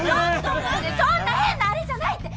そんな変なあれじゃないって！